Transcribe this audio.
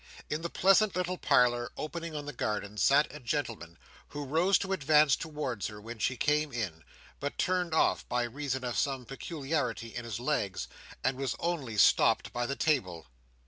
In the pleasant little parlour opening on the garden, sat a gentleman, who rose to advance towards her when she came in, but turned off, by reason of some peculiarity in his legs, and was only stopped by the table.